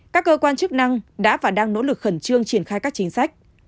các cơ quan chức năng đã và đang nỗ lực khẩn trương triển khai các chính sách